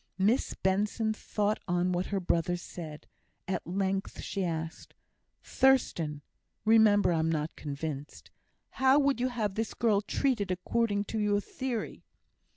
Miss Benson thought on what her brother said. At length she asked, "Thurstan (remember I'm not convinced), how would you have this girl treated according to your theory?"